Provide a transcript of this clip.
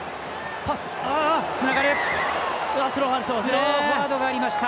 スローフォワードがありました。